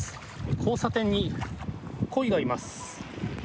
交差点にコイがいます。